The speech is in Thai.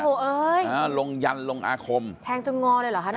โอ้โหเอ้ยอ่าลงยันลงอาคมแทงจนงอเลยเหรอคะเนี่ย